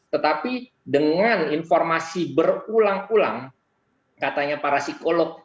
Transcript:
tetapi dengan informasi berulang ulang katanya para psikolog